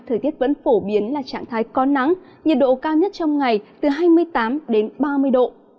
thời tiết vẫn phổ biến là trạng thái có nắng nhiệt độ cao nhất trong ngày từ hai mươi tám đến ba mươi độ